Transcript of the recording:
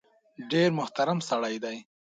ډېر محترم سړی دی .